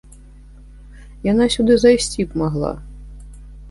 Яна сюды зайсці б магла.